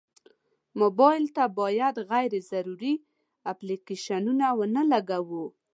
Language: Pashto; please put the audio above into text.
موبایل ته باید غیر ضروري اپلیکیشنونه ونه لګوو.